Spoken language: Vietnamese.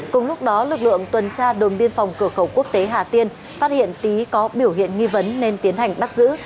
cùng lúc đó lực lượng tuần tra đồn biên phòng cửa khẩu quốc tế hà tiên phát hiện tý có biểu hiện nghi vấn nên tiến hành bắt giữ